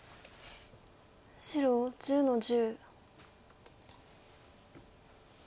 白１０の十。